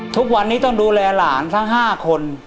ทุกวันนี้ต้องดูแลหลานทั้ง๕คน